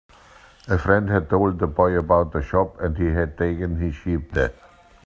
A friend had told the boy about the shop, and he had taken his sheep there.